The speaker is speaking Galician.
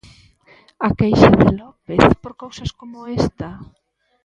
A queixa de López por cousas como esta.